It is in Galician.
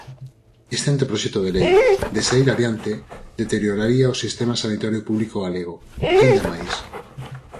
Este anteproxecto de lei, de saír adiante, deterioraría o Sistema Sanitario Público Galego... aínda máis.